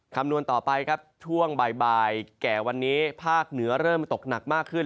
คำนวณต่อไปครับช่วงบ่ายแก่วันนี้ภาคเหนือเริ่มตกหนักมากขึ้น